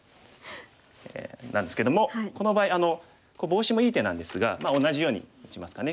なんですけどもこの場合ボウシもいい手なんですが同じように打ちますかね。